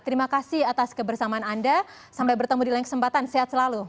terima kasih atas kebersamaan anda sampai bertemu di lain kesempatan sehat selalu